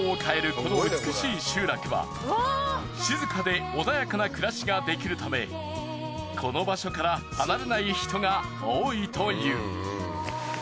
この美しい集落は静かで穏やかな暮らしができるためこの場所から離れない人が多いという。